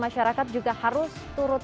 masyarakat juga harus turut